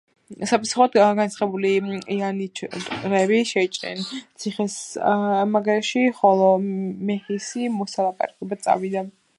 საპასუხოდ, განრისხებული იანიჩრები შეიჭრნენ ციხესიმაგრეში, ხოლო მესიჰი მოსალაპარაკებლად წავიდა.